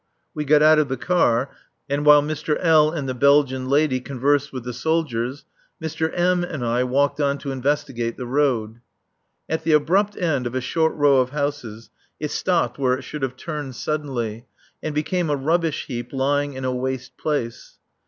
We got out of the car; and while Mr. L. and the Belgian lady conversed with the soldiers, Mr. M. and I walked on to investigate the road. At the abrupt end of a short row of houses it stopped where it should have turned suddenly, and became a rubbish heap lying in a waste place.